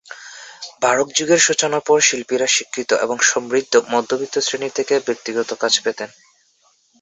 Baroque যুগের সূচনার পর শিল্পীরা শিক্ষিত এবং সমৃদ্ধ মধ্যবিত্ত শ্রেণীর থেকে ব্যক্তিগত কাজ পেতেন।